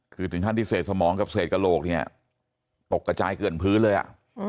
คือถึงขั้นที่เศษสมองกับเศษกระโหลกเนี่ยตกกระจายเกลื่อนพื้นเลยอ่ะ